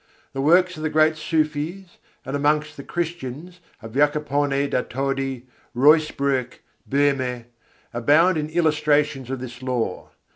The works of the great Sûfîs, and amongst the Christians of Jacopone da Todì, Ruysbroeck, Boehme, abound in illustrations of this law.